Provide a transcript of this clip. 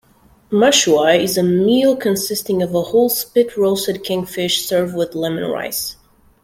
Mashuai is a meal consisting of a whole spit-roasted kingfish served with lemon rice.